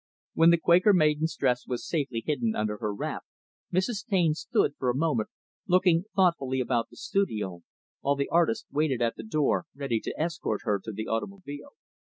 When the Quaker Maiden's dress was safely hidden under her wrap, Mrs. Taine stood, for a moment, looking thoughtfully about the studio; while the artist waited at the door, ready to escort her to the automobile.